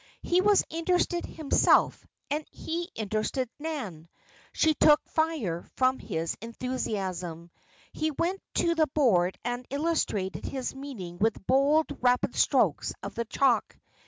He was interested himself and he interested Nan. She took fire from his enthusiasm. He went to the board and illustrated his meaning with bold, rapid strokes of the chalk.